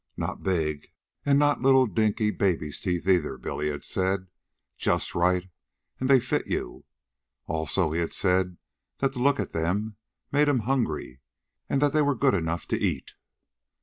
"Not big, and not little dinky baby's teeth either," Billy had said, "... just right, and they fit you." Also, he had said that to look at them made him hungry, and that they were good enough to eat.